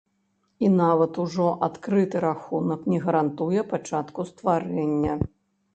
І нават ужо адкрыты рахунак не гарантуе пачатку стварэння.